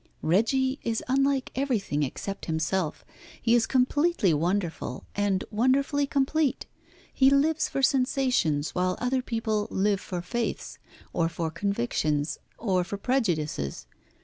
"Reggie is unlike everything except himself. He is completely wonderful, and, wonderfully complete. He lives for sensations, while other people live for faiths, or for convictions, or for prejudices.